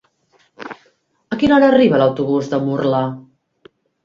A quina hora arriba l'autobús de Murla?